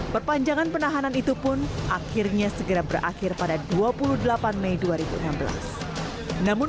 perpanjangan penahanan itu pun akhirnya segera berakhir pada dua puluh delapan januari